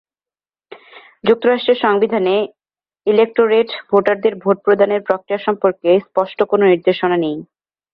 যুক্তরাষ্ট্রের সংবিধানে ইলেকটোরেট ভোটারদের ভোট প্রদানের প্রক্রিয়া সম্পর্কে স্পষ্ট কোনো নির্দেশনা নেই।